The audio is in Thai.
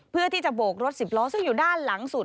เพื่อที่จะโบกรถสิบล้อซึ่งอยู่ด้านหลังสุด